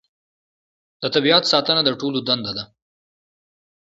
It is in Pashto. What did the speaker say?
د طبیعت ساتنه د ټولو دنده ده